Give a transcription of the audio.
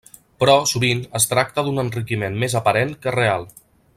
Però, sovint, es tracta d'un enriquiment més aparent que real.